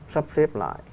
sắp xếp lại